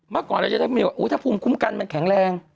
เมื่อก่อนเราจะได้มีว่าถ้าภูมิคุ้มกันมันแข็งแรง